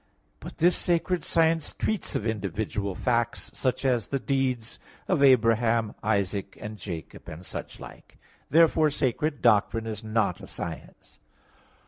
But this sacred science treats of individual facts, such as the deeds of Abraham, Isaac and Jacob and such like. Therefore sacred doctrine is not a science.